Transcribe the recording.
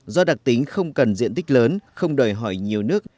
do đặc tính không cần diện tích lớn không đòi hỏi nhiều nước